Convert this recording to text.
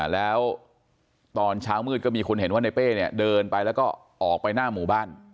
แล้วตอนเช้ามืดก็มีคนเห็นว่าในเป้เนี่ยเดินไปแล้วก็ออกไปหน้าหมู่บ้าน